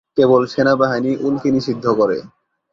কেবল সেনাবাহিনী উল্কি নিষিদ্ধ করে।